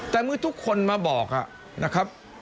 แต่เมื่อทุกคนมาบอก